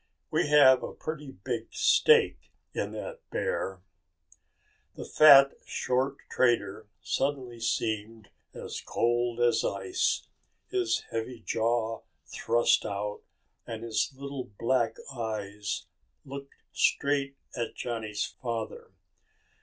"We have a pretty big stake in that bear." The fat, short trader seemed suddenly as cold as ice. His heavy jaw thrust out and his little black eyes looked straight at Johnny's father.